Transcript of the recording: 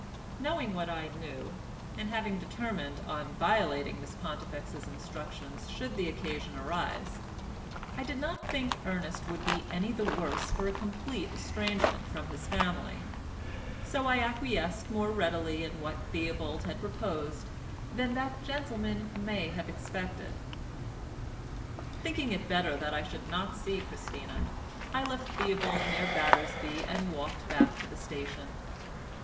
Knowing what I knew, and having determined on violating Miss Pontifex's instructions should the occasion arise, I did not think Ernest would be any the worse for a complete estrangement from his family, so I acquiesced more readily in what Theobald had proposed than that gentleman may have expected. Thinking it better that I should not see Christina, I left Theobald near Battersby and walked back to the station.